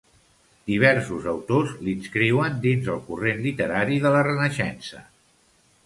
Diversos autors l'inscriuen dins el corrent literari de la Renaixença.